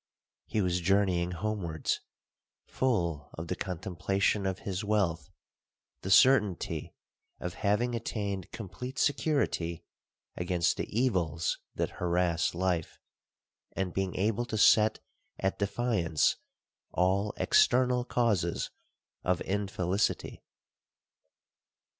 'He was journeying homewards, full of the contemplation of his wealth,—the certainty of having attained complete security against the evils that harass life,—and being able to set at defiance all external causes of infelicity.